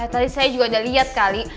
tadi saya juga udah lihat kali